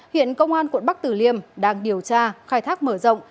hiện công an quận bắc tử liêm đang điều tra khai thác mở rộng